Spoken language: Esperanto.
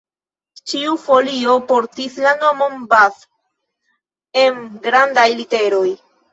Ĉiu folio portis la nomon Bath en grandaj literoj.